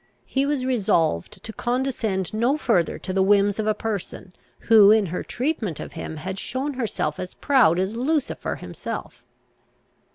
He was resolved to condescend no further to the whims of a person who, in her treatment of him, had shown herself as proud as Lucifer himself.